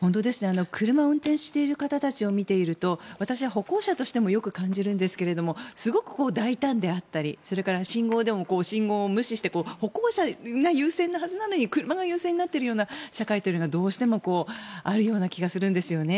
車を運転している方たちを見ていると私は歩行者としてもよく感じるんですがすごく大胆であったりそれから信号でも信号を無視して歩行者が優先なはずなのに車が優先になっているような社会というのがどうしてもあるような気がするんですね。